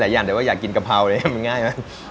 หลายอย่างแต่ว่าอยากกินกะเพรามันง่ายมาก